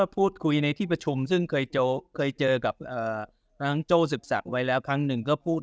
พูดคุยในที่ประชุมซึ่งเคยโจ้เคยเจอกับทางโจ้สืบสากไว้แล้วครั้งหนึ่งก็พูด